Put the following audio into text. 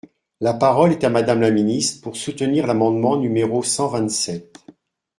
La parole est à Madame la ministre, pour soutenir l’amendement numéro cent vingt-sept.